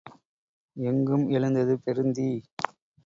எங்கும் எழுந்தது பெருந்தீ.